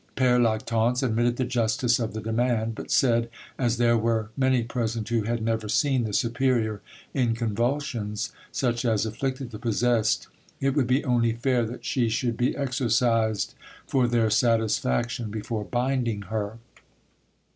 Pere Lactance admitted the justice of the demand, but said as there were many present who had never seen the superior in convulsions such as afflicted the possessed, it would be only fair that she should be exorcised for their satisfaction before binding her.